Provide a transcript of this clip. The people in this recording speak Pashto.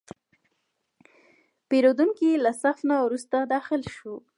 پیرودونکی له صف نه وروسته داخل شو.